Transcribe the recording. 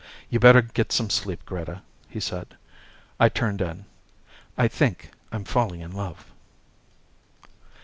"You'd better get some sleep, Greta," he said. I turned in. I think I'm falling in love.